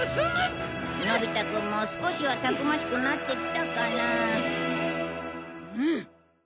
のび太くんも少しはたくましくなってきたかな。